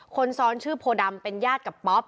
คนซ้อนชื่อโพดำเป็นญาติกับป๊อป